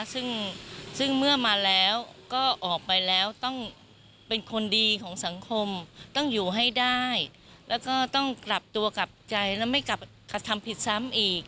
ซึ่งเมื่อมาแล้วก็ออกไปแล้วต้องเป็นคนดีของสังคมต้องอยู่ให้ได้แล้วก็ต้องกลับตัวกลับใจแล้วไม่กลับกระทำผิดซ้ำอีก